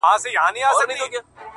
نن د سولي آوازې دي د جنګ بندي نغارې دي٫